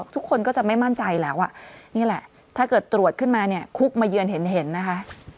ทุกคนก็จะไม่มั่นใจแล้วนี่แหละถ้าเกิดตรวจขึ้นมาเนี่ยคุกมาเยือนเห็นนะคะ